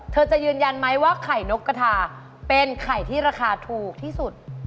จะยืนยันไหมว่าไข่นกกระทาเป็นไข่ที่ราคาถูกที่สุด